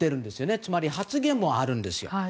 つまり発言もあるんです。